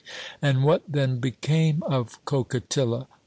And what then became of Coquetilla?